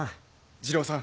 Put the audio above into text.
二郎さん